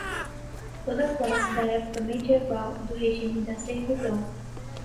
toda classe da época medieval e do regime da servidão